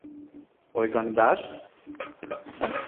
— Ойгаҥдаш?!